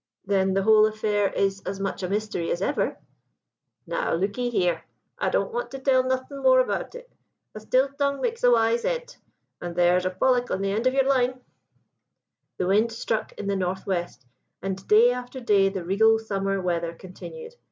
"'Then the whole affair is as much a mystery as ever?' "'Now, look 'ee here; I don't want to tell nothin' more about it. A still tongue makes a wise head; an' there's a pollack on the end of your line.' "The wind stuck in the north west, and day after day the regal summer weather continued.